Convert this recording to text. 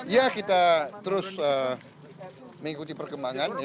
ya kita terus mengikuti perkembangan